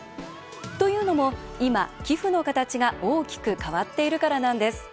というのも今、寄付のカタチが大きく変わっているからなんです。